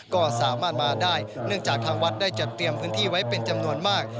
ก็สามารถมาได้เนื่องจากทางวัดได้จัดเตรียมพื้นที่ไว้เป็นจำนวนมาก